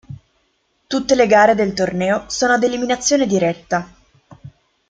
Tutte le gare del torneo sono ad eliminazione diretta.